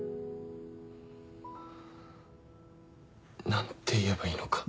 何て言えばいいのか。